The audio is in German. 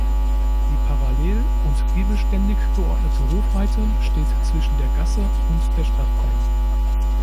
Die parallel und giebelständig geordnete Hofreite steht zwischen der Gasse und der Stadtmauer.